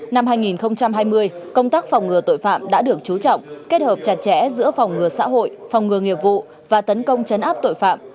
năm hai nghìn hai mươi công tác phòng ngừa tội phạm đã được chú trọng kết hợp chặt chẽ giữa phòng ngừa xã hội phòng ngừa nghiệp vụ và tấn công chấn áp tội phạm